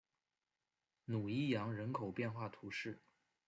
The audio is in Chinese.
努伊扬人口变化图示